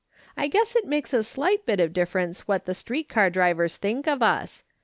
I guess it makes a sight of difference what the street car drivers think of us.